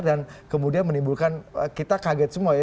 dan kemudian menimbulkan kita kaget semua ya